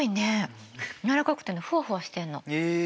柔らかくてねフワフワしてるの。へえ。